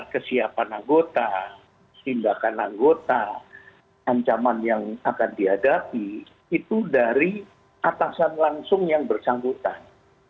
kesiapan anggota tindakan anggota ancaman yang akan dihadapi itu dari atasan langsung yang bersangkutan